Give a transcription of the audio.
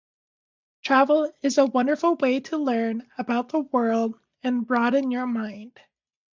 Travel is a wonderful way to learn about the world and broaden your mind.